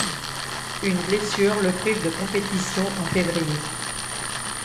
Une blessure le prive de compétition en février.